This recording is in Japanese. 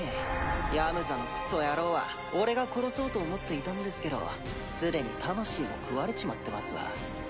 ヤムザのクソ野郎は俺が殺そうと思っていたんですけど既に魂も食われちまってますわ。